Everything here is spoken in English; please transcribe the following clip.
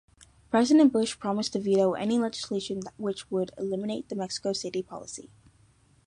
President Bush promised to veto any legislation which would eliminate the Mexico City policy.